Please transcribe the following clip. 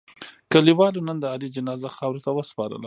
کلیوالو نن د علي جنازه خاورو ته و سپارله.